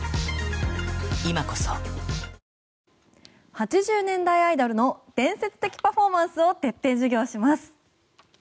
８０年代アイドルの伝説的パフォーマンスを徹底授業します。